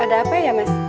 ada apa ya mas